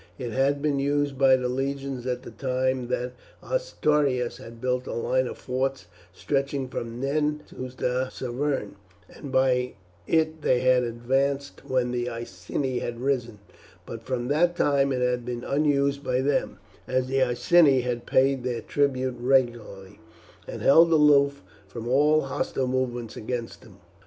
It had been used by the legions at the time that Ostorius had built a line of forts stretching from the Nen to the Severn, and by it they had advanced when the Iceni had risen; but from that time it had been unused by them, as the Iceni had paid their tribute regularly, and held aloof from all hostile movements against them.